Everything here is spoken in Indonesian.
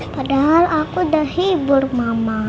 padahal aku udah hibur mama